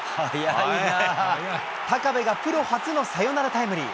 高部がプロ初のサヨナラタイムリー。